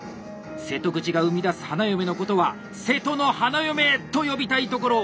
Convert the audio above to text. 瀬戸口が生み出す花嫁のことは「瀬戸の花嫁」！と呼びたいところ。